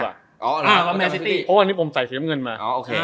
เพราะวันนี้ผมใส่เสียงเงินมา